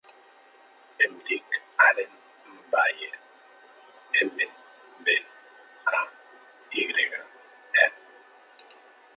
Em dic Aren Mbaye: ema, be, a, i grega, e.